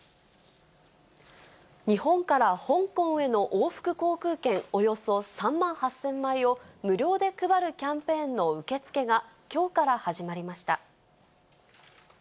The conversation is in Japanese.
日本から香港への往復航空券およそ３万８０００枚を無料で配るキャンペーンの受け付けが、きょうから始まりました。